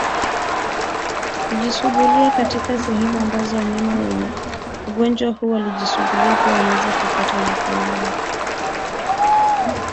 kujisugulia katika sehemu ambazo wanyama wenye ugonjwa huu walijisugulia pia wanaweza kuupata wanapolala